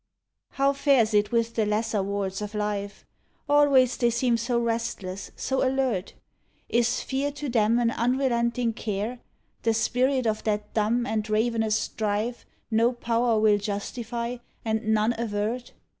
How fares it with the lesser wards of life"? — Always they seem so restless, so alert. Is fear to them an unrelenting care — The spirit of that dumb and ravenous strife No Power will justify and none avert"?